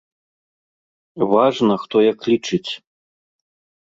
Важна, хто як лічыць.